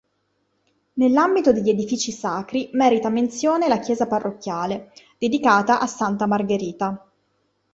Nell'ambito degli edifici sacri, merita menzione la chiesa parrocchiale, dedicata a santa Margherita.